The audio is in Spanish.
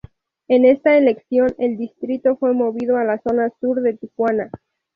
En esta elección, el distrito fue movido a la zona sur de Tijuana.